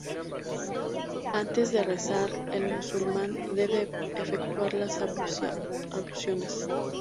Antes de rezar, el musulmán debe efectuar las abluciones.